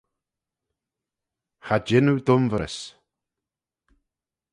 Cha jean oo dunverys.